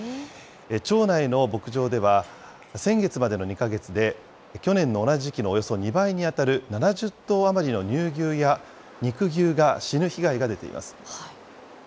町内の牧場では、先月までの２か月で、去年の同じ時期のおよそ２倍に当たる７０頭余りの乳牛や肉牛が死ぬ被害が出ています。